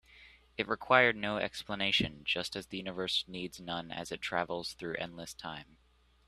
It required no explanation, just as the universe needs none as it travels through endless time.